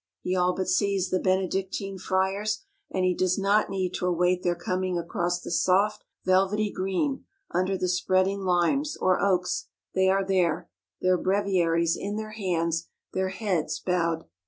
He all but sees the Benedictine Friars, and he does not need to await their coming across the soft, velvety green, under the spreading limes, or oaks, they are there, their breviaries in their hands, their heads bowed.